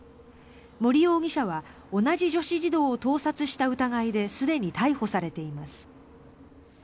森容疑者は同じ女子児童を盗撮した疑いですでに逮捕されています。